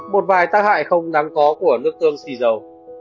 một vài tác hại không đáng có của nước tương xì dầu